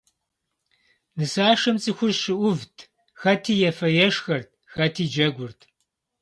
Нысашэм цӀыхур щыӀувт, хэти ефэ-ешхэрт, хэти джэгурт.